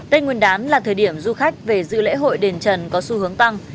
tết nguyên đán là thời điểm du khách về dự lễ hội đền trần có xu hướng tăng